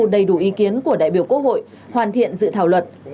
đầy đủ ý kiến của đại biểu quốc hội hoàn thiện dự thảo luật